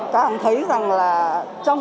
cảm thấy rằng là trong